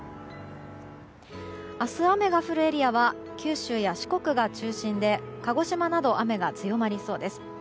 明日、雨が降るエリアは九州や四国が中心で鹿児島など雨が強まりそうです。